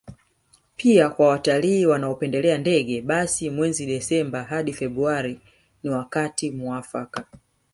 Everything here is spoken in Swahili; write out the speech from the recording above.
Pia kwa watalii wanaopendelea ndege basi mwezi Disemba hadi Februari ni wakati muafaka